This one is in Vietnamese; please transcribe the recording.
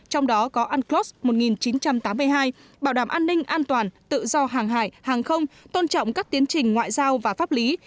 trong đó có unclos một nghìn chín trăm tám mươi hai bảo đảm an ninh an toàn tự do hàng hải hàng không tôn trọng các tiến trình ngoại giao và pháp lý